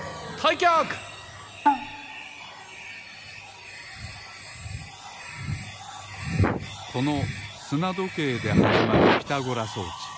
きゃくこのすなどけいではじまるピタゴラ装置